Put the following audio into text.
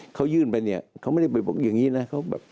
เขายื่นไปก็ไม่ใช่แบบนี้